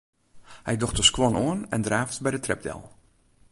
Hy docht de skuon oan en draaft by de trep del.